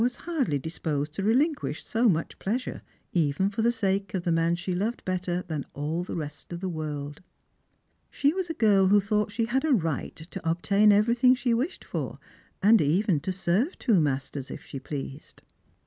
liardly disposed to reliTtqiiish so much pleasure, even for Oi<t sake of the man she loved bettei than all the rest of the world. She was a girl who thought she had a right to obtain every thing she wished for, and even to serve two masters if she pleased.